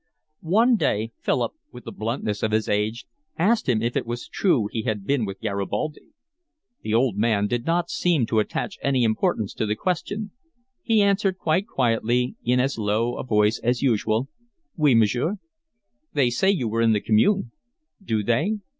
One day Philip, with the bluntness of his age, asked him if it was true he had been with Garibaldi. The old man did not seem to attach any importance to the question. He answered quite quietly in as low a voice as usual. "Oui, monsieur." "They say you were in the Commune?" "Do they?